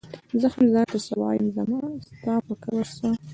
زۀ هم ځان ته څۀ وايم زما ستا پۀ کبر څۀ